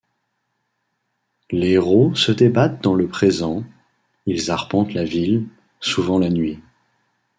Les héros se débattent dans le présent, ils arpentent la ville, souvent la nuit.